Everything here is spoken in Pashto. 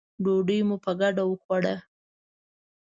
ډوډۍ مو په ګډه وخوړه.